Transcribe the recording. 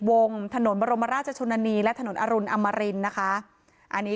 วงถนนบรมราชชนนานีและถนนอรุณอมรินนะคะอันนี้